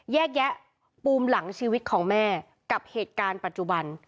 แยกแยะปูมหลังชีวิตของแม่กับเหตุการณ์ปัจจุบัน